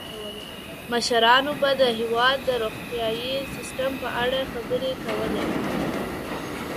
مشرانو به د هیواد د روغتیايي سیستم په اړه خبرې کولي.